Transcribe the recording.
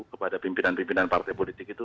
kepada pimpinan pimpinan partai politik itu